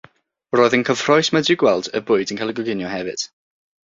Roedd yn gyffrous medru gweld y bwyd yn cael ei goginio hefyd.